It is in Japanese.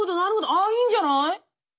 あいいんじゃない？